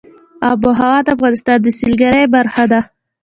آب وهوا د افغانستان د سیلګرۍ برخه ده.